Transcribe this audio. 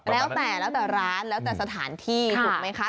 แล้วแต่ร้านแล้วแต่สถานที่ถูกไหมคะ